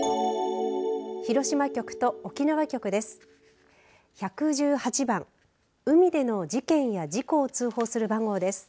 広島局と沖縄局です。